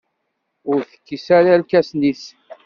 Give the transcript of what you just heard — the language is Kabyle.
Ur tekkis ara irkasen-is.